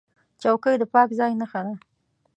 چوکۍ د پاک ځای نښه ده.